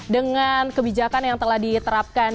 dengan kebijakan yang telah diterapkan